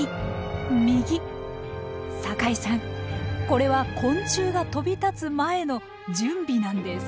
これは昆虫が飛び立つ前の準備なんです。